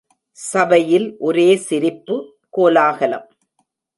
சபையில் ஒரே சிரிப்பு, கோலாகலம்.